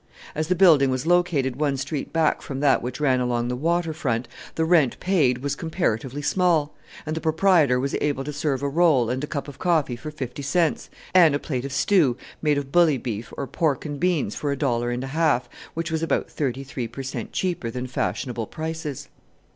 As the building was located one street back from that which ran along the water front, the rent paid was comparatively small; and the proprietor was able to serve a roll and a cup of coffee for fifty cents, and a plate of stew, made of bully beef, or pork and beans, for a dollar and a half, which was about 33 per cent. cheaper than fashionable prices!